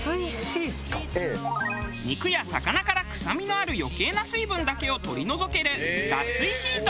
肉や魚から臭みのある余計な水分だけを取り除ける脱水シート。